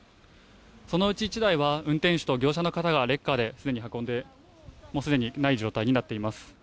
そのうち１台は運転手と業者の方がレッカーですでに運んで、もうすでにない状態になっています。